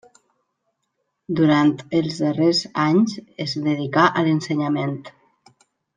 Durant els darrers anys es dedicà a l'ensenyament.